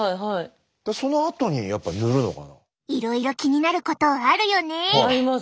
いろいろ気になることあるよね。あります。